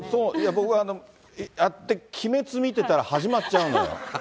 僕は、鬼滅見てたら始まっちゃうのよ。